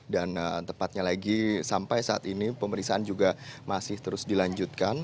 dan tepatnya lagi sampai saat ini pemeriksaan juga masih terus dilanjutkan